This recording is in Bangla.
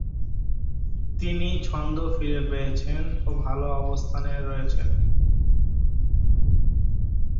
তিনি ছন্দ ফিরে পেয়েছেন ও ভালো অবস্থানে রয়েছেন।